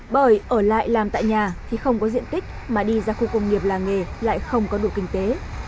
bởi ở lại làm tại nhà thì không có diện tích mà đi ra khu công nghiệp làng nghề lại không có đủ kinh tế